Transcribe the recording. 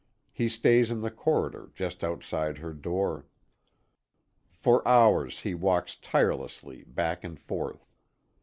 He stays in the corridor just outside her door. For hours he walks tirelessly back and forth.